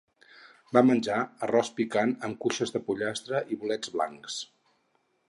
Vam menjar arròs picant amb cuixes de pollastre i bolets blancs.